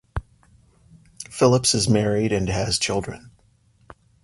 Phillips is married and has children.